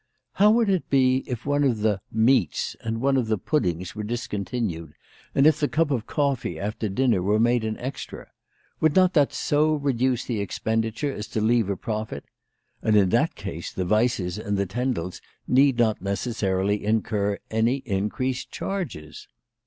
How would it be if one of the "meats' 7 and one of the puddings were discontinued, and if the cup of coffee after dinner were made an extra ? Would not that so reduce the expenditure as to leave a profit ? And in that case the Weisses and the Tendels need not necessarily incur any increased charges.